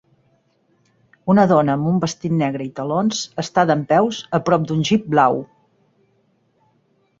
Una dona amb un vestit negre i talons està dempeus a prop d'un Jeep blau.